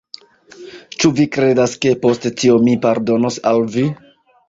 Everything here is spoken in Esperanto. Ĉu vi kredas, ke post tio mi pardonos al vi?